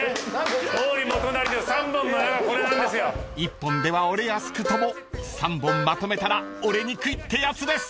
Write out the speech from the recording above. ［１本では折れやすくとも３本まとめたら折れにくいってやつです］